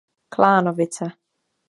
Klánovice.